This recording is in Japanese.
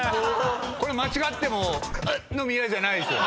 これ間違っても「うっのみや」じゃないですよね？